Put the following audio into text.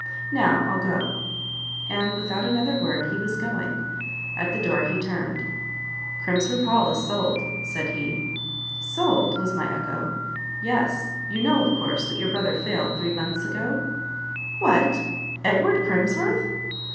Now, I'll go." And, without another word, he was going; at the door he turned: "Crimsworth Hall is sold," said he. "Sold!" was my echo. "Yes; you know, of course, that your brother failed three months ago?" "What! Edward Crimsworth?"